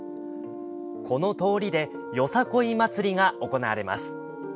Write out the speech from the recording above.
この通りでよさこい祭りが行われます。